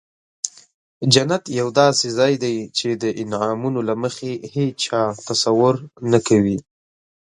جنت یو داسې ځای دی چې د انعامونو له مخې هیچا تصور نه کوي.